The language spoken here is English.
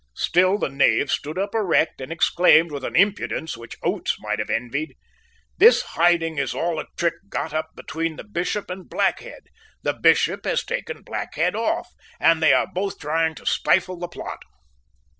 Still the knave stood up erect, and exclaimed, with an impudence which Oates might have envied, "This hiding is all a trick got up between the Bishop and Blackhead. The Bishop has taken Blackhead off; and they are both trying to stifle the plot."